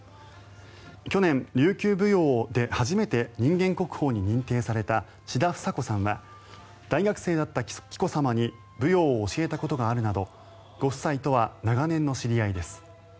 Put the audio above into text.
去年、琉球舞踊で初めて人間国宝に認定された志田房子さんは大学生だった紀子さまに舞踊を教えたことがあるなどご夫妻とは長年の知り合いです。